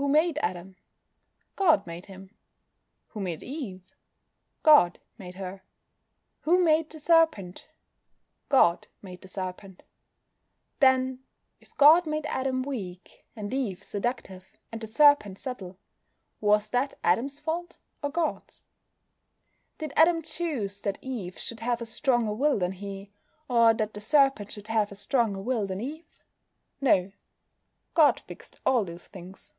Who made Adam? God made him. Who made Eve? God made her. Who made the Serpent? God made the Serpent. Then, if God made Adam weak, and Eve seductive, and the Serpent subtle, was that Adam's fault or God's? Did Adam choose that Eve should have a stronger will than he, or that the Serpent should have a stronger will than Eve? No. God fixed all those things.